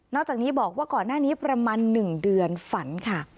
จากนี้บอกว่าก่อนหน้านี้ประมาณ๑เดือนฝันค่ะ